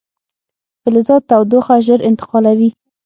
فلزات تودوخه ژر انتقالوي.